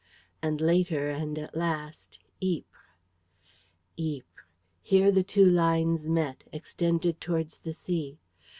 .. And, later and at last, Ypres. Ypres! Here the two lines met, extended towards the sea.